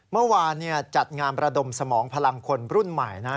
เมื่อวานเนี่ยจัดงานประดมสมองพลังคนรุ่นใหม่นะครับ